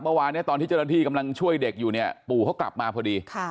เมื่อวานเนี่ยตอนที่เจ้าหน้าที่กำลังช่วยเด็กอยู่เนี่ยปู่เขากลับมาพอดี